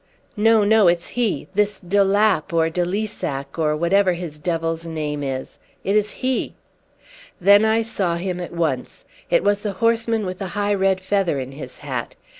"No, no, it's he. This de Lapp or de Lissac, or whatever his devil's name is. It is he." Then I saw him at once. It was the horseman with the high red feather in his hat.